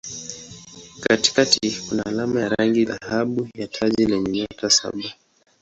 Katikati kuna alama ya rangi dhahabu ya taji lenye nyota saba.